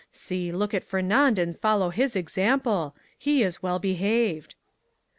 See, look at Fernand, and follow his example; he is well behaved!"